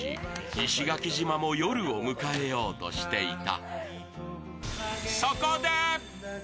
石垣島も夜を迎えようとしていた。